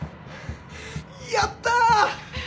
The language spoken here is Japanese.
やった！